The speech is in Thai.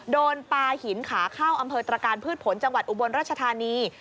โดนปลาหินขาเข้าอำเภอตรการพืชผลจังหวัดอุบลราชธานี